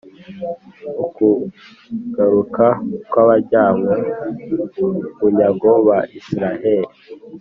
Ukugaruka kw’abajyanywe bunyago ba Israheli